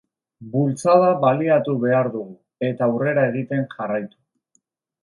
Bultzada baliatu behar dugu, eta aurrera egiten jarraitu.